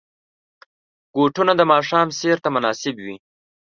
بوټونه د ماښام سیر ته مناسب وي.